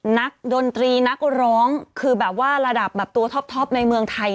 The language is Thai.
ดนตรีนักร้องคือแบบว่าระดับแบบตัวท็อปในเมืองไทย